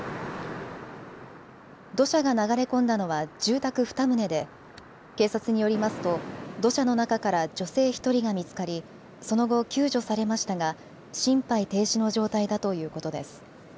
土砂が流れ込んだのは住宅２棟で警察によりますと土砂の中から女性１人が見つかりその後、救助されましたが心肺停止の状態だということです。